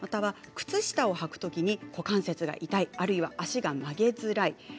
靴下をはくときに股関節が痛いあるいは足が曲げづらい。